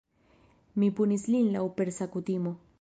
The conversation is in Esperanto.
Mi punis lin laŭ Persa kutimo.